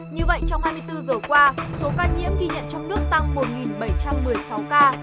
như vậy trong hai mươi bốn giờ qua số ca nhiễm ghi nhận trong nước tăng một bảy trăm một mươi sáu ca